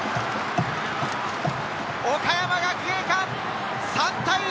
岡山学芸館、３対１！